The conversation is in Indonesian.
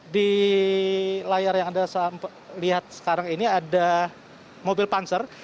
di layar yang anda lihat sekarang ini ada mobil panser